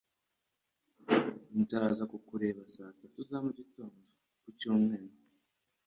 Nzaza kukureba saa tatu za mugitondo. ku cyumweru.